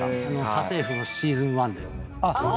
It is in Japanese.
『家政夫』のシーズン１で。